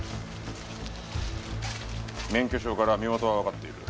免許証から身元はわかっている。